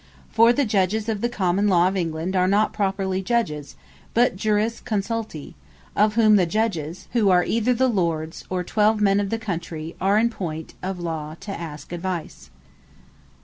For the Judges of the Common Law of England, are not properly Judges, but Juris Consulti; of whom the Judges, who are either the Lords, or Twelve men of the Country, are in point of Law to ask advice.